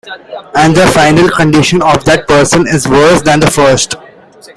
And the final condition of that person is worse than the first.